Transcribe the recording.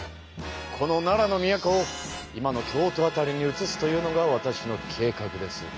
この奈良の都を今の京都辺りに移すというのがわたしの計画です。